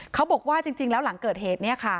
เขาบอกว่าจริงแล้วหลังเกิดเหตุ